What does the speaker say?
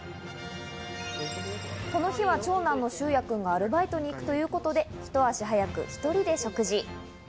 この日は長男の秀哉君がアルバイトに行くということでひと足早く１人で食事。